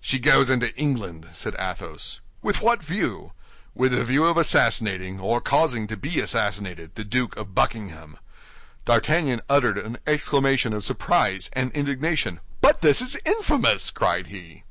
"She goes into England," said Athos. "With what view?" "With the view of assassinating, or causing to be assassinated, the Duke of Buckingham." D'Artagnan uttered an exclamation of surprise and indignation. "But this is infamous!" cried he.